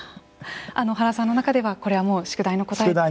原さんの中ではこれはもう宿題の答えだと。